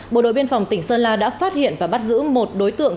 bộ đội biên phòng tỉnh sơn la đã phát hiện và bắt giữ một đối tượng